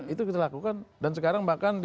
itu kita lakukan